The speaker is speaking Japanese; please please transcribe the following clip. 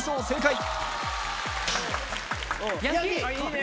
正解。